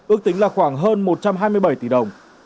ước tính là khoảng hơn một trăm hai mươi bảy tỷ đồng